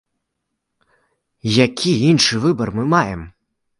Які іншы выбар мы маем!?